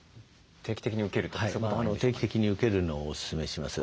定期的に受けるのをおすすめします。